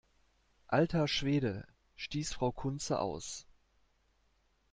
Alter Schwede!, stieß Frau Kunze aus.